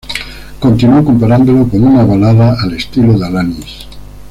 Continuó comparándolo con "una balada al estilo de Alanis".